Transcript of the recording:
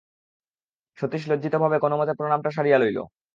সতীশ লজ্জিতভাবে কোনোমতে প্রণামটা সারিয়া লইল।